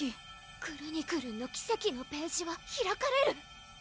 「クルニクルンの奇跡のページは開かれる」